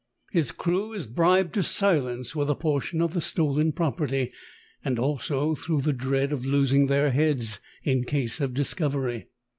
His crew is bribed to silence with a portion of the stolen property, and also through the dread of losing their heads in case of discovery.